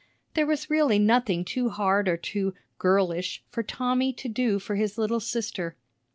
There was really nothing too hard or too "girlish" for Tommy to do for his little sister.